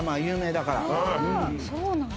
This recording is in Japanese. そうなんだ。